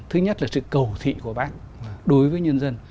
thứ nhất là sự cầu thị của bác đối với nhân dân